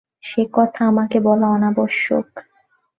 সে কথা আমাকে বলা অনাবশ্যক।